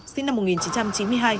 sinh năm một nghìn chín trăm chín mươi hai